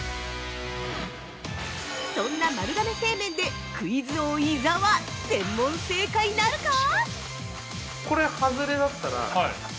そんな丸亀製麺でクイズ王・伊沢全問正解なるか！？